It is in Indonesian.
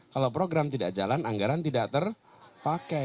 kalau program tidak jalan anggaran tidak terpakai